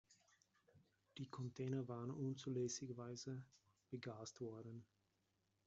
Die Container waren unzulässigerweise begast worden.